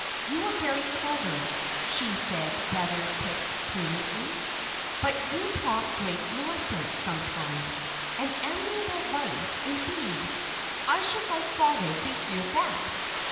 "You are very clever," she said, rather petulantly. "But you talk great nonsense, sometimes. An amiable vice, indeed! I should like father to hear that!